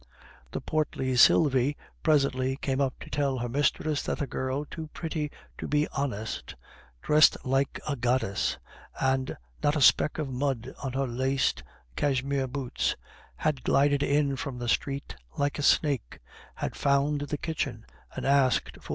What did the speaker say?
The portly Sylvie presently came up to tell her mistress that a girl too pretty to be honest, "dressed like a goddess," and not a speck of mud on her laced cashmere boots, had glided in from the street like a snake, had found the kitchen, and asked for M.